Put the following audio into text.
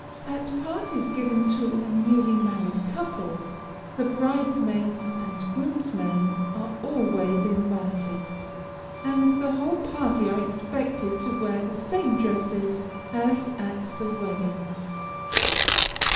At parties given to a newly married couple, the bridesmaids and groomsmen are always invited, and the whole party are expected to wear the same dresses as at the wedding.